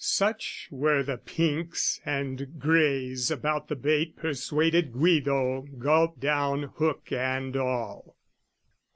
Such were the pinks and greys about the bait Persuaded Guido gulp down hook and all.